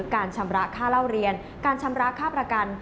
การชำระค่าเล่าเรียนการชำระค่าประกัน